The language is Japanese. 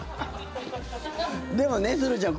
でも、すずちゃん